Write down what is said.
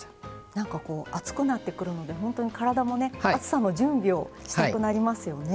なんかこう暑くなってくるのでほんとに体もね暑さの準備をしたくなりますよね。